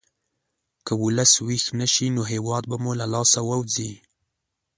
که ولس ویښ نه شي، نو هېواد به مو له لاسه ووځي.